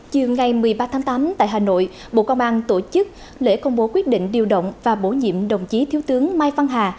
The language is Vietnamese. chiều ngày một mươi ba tháng tám tại hà nội bộ công an tổ chức lễ công bố quyết định điều động và bổ nhiệm đồng chí thiếu tướng mai văn hà